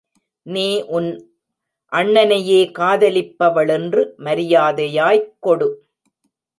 நீ உன் அண்ணனையே காதலிப்பவளென்று மரியாதையாய்க் கொடு.